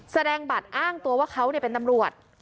แสดงบัตรอ้างตัวว่าเขาเป็นตำรวจ